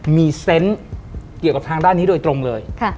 มีเซนต์เกี่ยวกับทางด้านนี้โดยตรงเลย